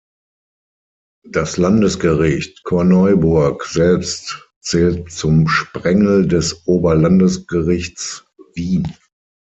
Das Landesgericht Korneuburg selbst zählt zum Sprengel des Oberlandesgerichts Wien.